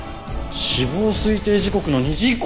死亡推定時刻の２時以降！